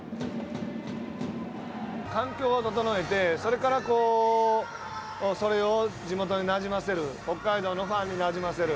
環境を整えて、それからそれを地元になじませる、北海道のファンになじませる。